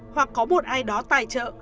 hoặc có một ai đó tài trợ